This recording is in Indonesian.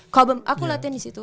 cobham aku latihan disitu